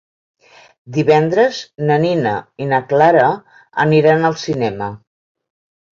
Divendres na Nina i na Clara aniran al cinema.